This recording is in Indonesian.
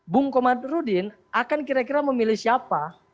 bung komadrudin akan kira kira memilih siapa